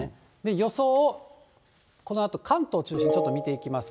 予想を、このあと、関東中心にちょっと見ていきます。